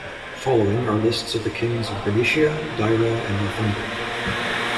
Following are lists of the kings of Bernicia, Deira, and Northumbria.